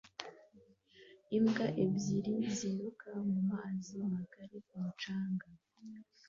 Imbwa ebyiri ziruka mu mazi magari ku mucanga